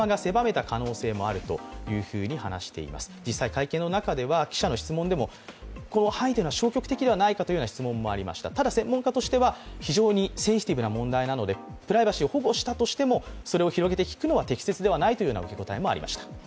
会見の中では、記者の質問に、排除は消極的ではないかといわれていました専門家としては、非常にセンシティブな問題なのでプライバシーを保護したとしてもそれを広げて聞くのは適切ではないともされていました。